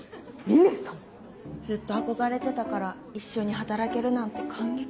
峰様⁉ずっと憧れてたから一緒に働けるなんて感激。